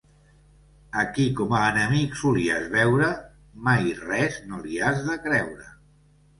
A qui com a enemic solies veure, mai res no li has de creure.